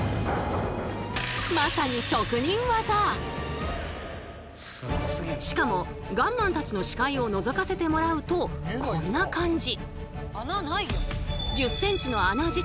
まさにしかもガンマンたちの視界をのぞかせてもらうとこんな感じ。